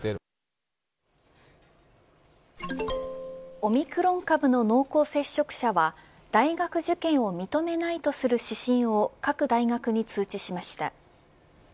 オミクロン株の濃厚接触者は大学受験を認めないとする指針を各大学に通知しました。